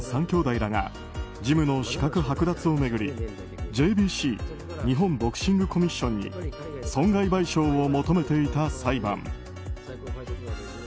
３兄弟らがジムの資格剥奪を巡りＪＢＣ・日本ボクシングコミッションに損害賠償を求めていた裁判。